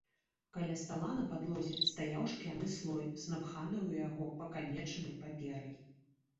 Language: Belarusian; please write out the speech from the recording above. Каля стала на падлозе стаяў шкляны слой з напханай у яго пакамечанай паперай.